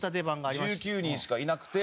１９人しかいなくて。